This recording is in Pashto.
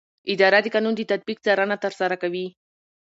اداره د قانون د تطبیق څارنه ترسره کوي.